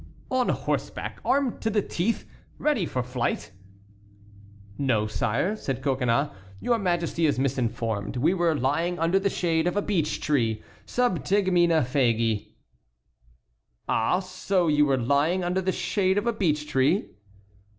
"On horseback, armed to the teeth, ready for flight!" "No, sire," said Coconnas; "your Majesty is misinformed. We were lying under the shade of a beech tree—sub tegmine fagi." "Ah! so you were lying under the shade of a beech tree?"